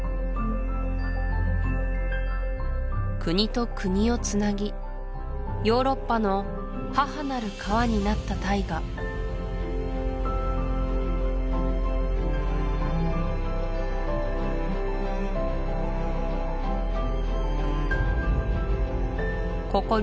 国と国をつなぎヨーロッパの母なる川になった大河ここ